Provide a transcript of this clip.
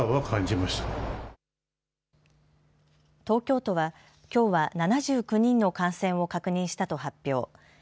東京都はきょうは７９人の感染を確認したと発表。